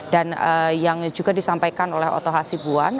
dan yang juga disampaikan oleh otoh hasipuan